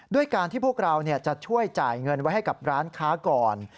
ด้วยการที่พวกเราจะช่วยจ่ายเงินไว้ให้กับร้านค้าก่อน